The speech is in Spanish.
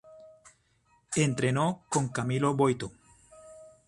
Entrenó con Camillo Boito.